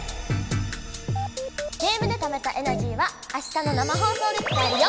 ゲームでためたエナジーはあしたの生放送でつかえるよ！